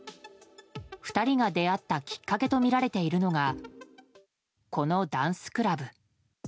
２人が出会ったきっかけとみられているのがこのダンスクラブ。